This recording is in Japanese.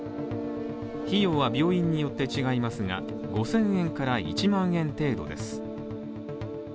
費用は病院によって違いますが、５０００円から１万円程度です。